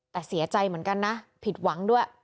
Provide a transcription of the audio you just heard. แต่เสียใจเหมือนกันนะผิดหวังด้วย